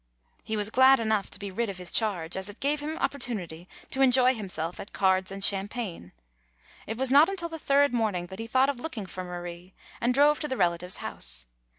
He was glad enough to be rid of his charge, as it gave him opportunity to enjoy himself at cards and champagne. It was not until the third morning that he thought of looking for Marie, and drove to the relative's house.